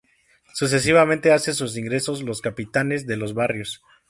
Sucesivamente hacen su ingreso los "Capitanes" de los Barrios.